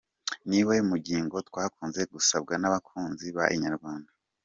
Ni imwe mu ngingo twakunze gusabwa n’abakunzi ba inyarwanda.